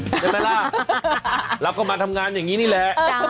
ใช่ไหมล่ะเราก็มาทำงานอย่างนี้นี่แหละ